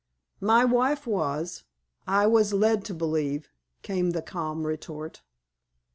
"My wife was, I was led to believe," came the calm retort.